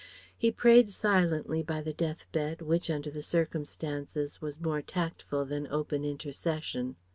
He prayed silently by the death bed which, under the circumstances, was more tactful than open intercession.